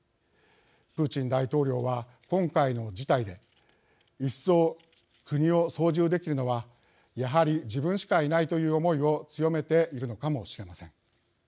プーチン大統領は今回の事態で一層国を操縦できるのはやはり自分しかいないという思いを強めているのかもしれません。